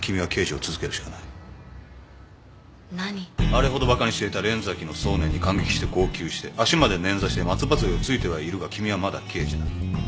あれほどバカにしていた連崎の送念に感激して号泣して足まで捻挫して松葉づえを突いてはいるが君はまだ刑事だ。